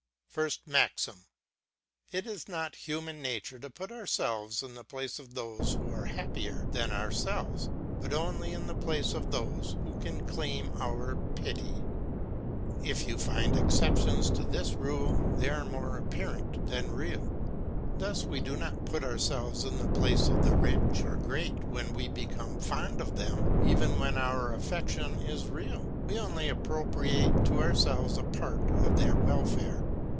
FIRST MAXIM. It is not in human nature to put ourselves in the place of those who are happier than ourselves, but only in the place of those who can claim our pity. If you find exceptions to this rule, they are more apparent than real. Thus we do not put ourselves in the place of the rich or great when we become fond of them; even when our affection is real, we only appropriate to ourselves a part of their welfare.